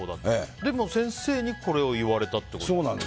でも、先生にこれを言われたってことですか。